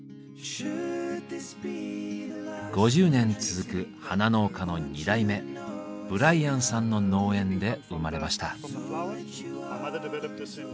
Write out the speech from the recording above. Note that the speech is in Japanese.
５０年続く花農家の二代目ブライアンさんの農園で生まれました。